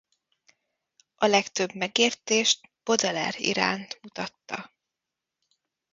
A legtöbb megértést Baudelaire iránt mutatta.